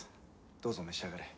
どうぞ召し上がれ。